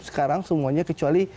sekarang semuanya kecuali